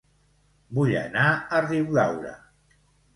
Vull anar a Riudaura